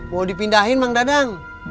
mau dipindahin emang dadang